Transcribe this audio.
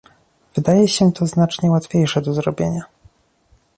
Wydaje się to znacznie łatwiejsze do zrobienia